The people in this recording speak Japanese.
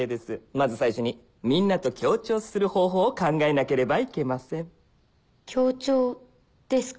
まず最初にみんなと協調する方法を考えなければいけません協調ですか？